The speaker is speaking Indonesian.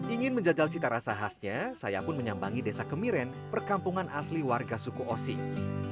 ingin menjajal cita rasa khasnya saya pun menyambangi desa kemiren perkampungan asli warga suku osing